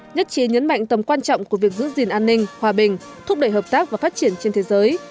nhất trí nhấn mạnh tầm quan trọng của việc giữ gìn an ninh hòa bình thúc đẩy hợp tác và phát triển trên thế giới